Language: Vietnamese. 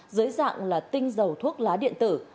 dưới dạng là tinh dầu thuốc lá điện tử